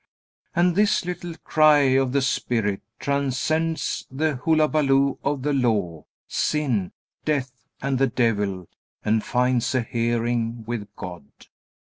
And this little cry of the Spirit transcends the hullabaloo of the Law, sin, death, and the devil, and finds a hearing with God.